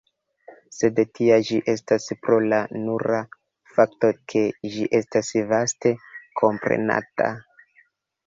Sed tia ĝi estas pro la nura fakto ke ĝi estas vaste komprenata.